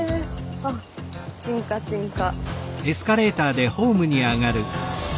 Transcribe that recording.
あっ沈下沈下。